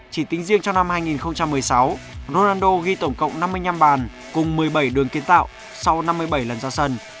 chỉ tính riêng cho năm hai nghìn một mươi sáu ronaldo ghi tổng cộng năm mươi năm bàn cùng một mươi bảy đường kiến tạo sau năm mươi bảy lần ra sân